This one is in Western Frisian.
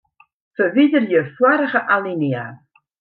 Ferwiderje foarige alinea.